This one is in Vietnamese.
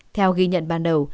theo ghi nhận ban đầu